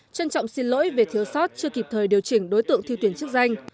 trân trọng xin lỗi về thiếu sót chưa kịp thời điều chỉnh đối tượng thi tuyển chức danh